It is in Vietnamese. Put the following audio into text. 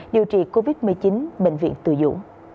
điều trị covid một mươi chín bệnh viện từ dũng